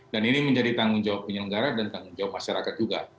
dan ini menjadi tanggung jawab penyelenggara dan tanggung jawab masyarakat juga